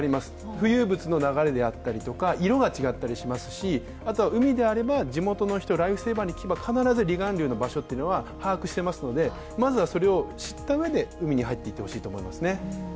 浮遊物の流れであったりとか、色が違ったりしますし、あとは海であれば、地元の人、ライフセーバーに聞けば離岸流の場所を把握していますので、まずはそれを知ったうえで海に入っていってほしいと思いますね。